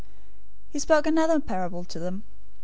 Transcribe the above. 013:033 He spoke another parable to them.